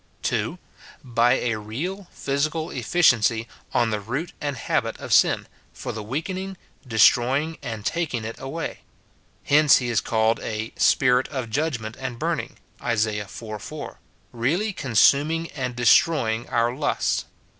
[2.] By a real physical efficiency on the root and habit of sin, for the weakening, destroying, and taking it away. Hence he is called a " Spirit of judgment and burning," Isa. iv. 4, really consuming and destroying our lusts.